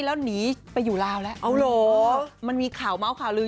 แล้วหนีไปอยู่ลาวแล้วเอาเหรอมันมีข่าวเมาส์ข่าวลือ